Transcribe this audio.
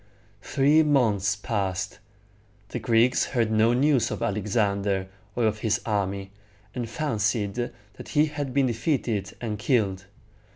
Three months passed. The Greeks heard no news of Alexander or of his army, and fancied that he had been defeated and killed.